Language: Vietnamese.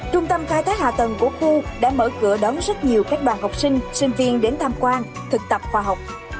trung tâm khai thác hạ tầng của khu đã mở cửa đón rất nhiều các đoàn học sinh sinh viên đến tham quan thực tập khoa học